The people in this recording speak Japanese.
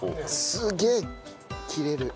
すげえ切れる。